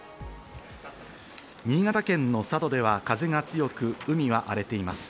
新潟県の佐渡では風が強く、海は荒れています。